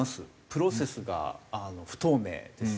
プロセスが不透明です。